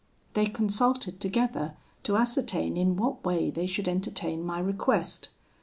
They consulted together to ascertain in what way they should entertain my request.